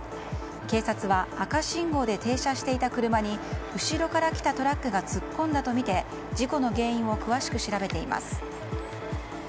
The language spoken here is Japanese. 警察は赤信号で停車していた車に後ろから来たトラックが突っ込んだとみて事故の原因を詳しく調べています。